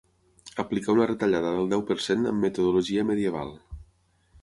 Aplicar una retallada del deu per cent amb metodologia medieval.